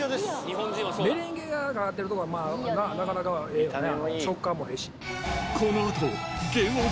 メレンゲがかかってるところがなかなかええよな。